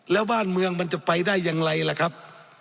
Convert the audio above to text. แล้วบ้านเมืองมันจะไปได้อย่างไรล่ะครับ